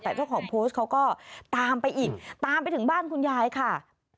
แต่เจ้าของโพสต์เขาก็ตามไปอีกตามไปถึงบ้านคุณยายค่ะ